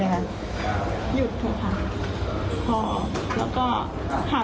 แล้วก็หากมีใครเป็นอะไรไปจากการทำของเขา